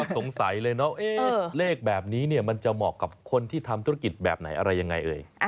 สงสัยเลยเนาะเลขแบบนี้มันจะเหมาะกับคนที่ทำธุรกิจแบบไหนอะไรยังไงเอ่ย